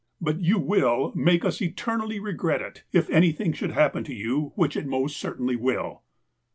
But you will make us eternally regret it, if anything should happen to you, which it most certainly will."